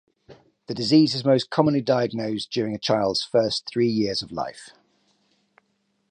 The disease is most commonly diagnosed during a child's first three years of life.